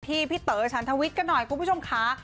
พี่เต๋อฉันทวิทย์กันหน่อยคุณผู้ชมค่ะ